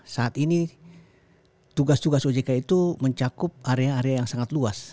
saat ini tugas tugas ojk itu mencakup area area yang sangat luas